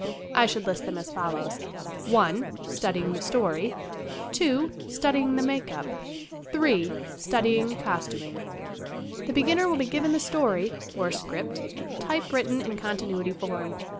I should list them as follows :( 1 ) Studying the story. (2) Studying make up. (3) Studying costuming. The beginner will be given the story or script typewritten in continuity form.